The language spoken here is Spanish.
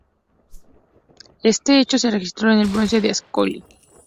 Este hecho se registró en el Bronce de Ascoli.